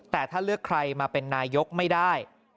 แต่ถ้าเลือกใครมาเป็นนายกไม่ได้